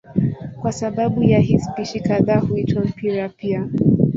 Kwa sababu ya hii spishi kadhaa huitwa mpira pia.